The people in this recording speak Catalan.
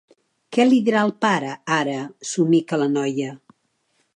Què li diré al pare, ara? —somica la noia.